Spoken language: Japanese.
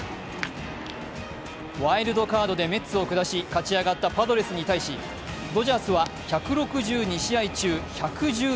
ワイルドカードでメッツを下し勝ち上がったパドレスに対し、ドジャースは１６２試合中、１１１勝。